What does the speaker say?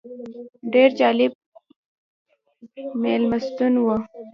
ډېر جالب مېلمستون و.